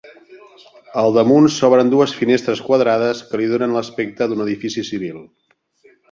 Al damunt s'obren dues finestres quadrades que li donen l'aspecte d'un edifici civil.